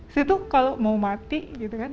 situ kalau mau mati gitu kan